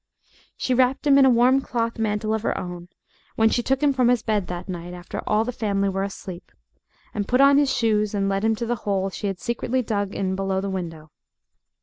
She wrapped him in a warm cloth mantle of her own, when she took him from his bed that night after all the family were asleep, and put on his shoes and led him to the hole she had secretly dug in below the window.